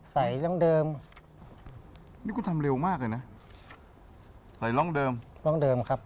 ใส่ร่องเดิมนี่กูทำเร็วมากเลยนะใส่ร่องเดิมร่องเดิมครับ